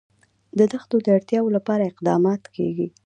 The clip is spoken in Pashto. د دښتو د اړتیاوو لپاره اقدامات کېږي.